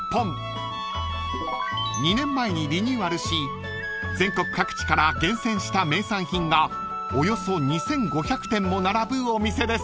［２年前にリニューアルし全国各地から厳選した名産品がおよそ２，５００点も並ぶお店です］